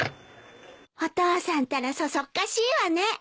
お父さんたらそそっかしいわね。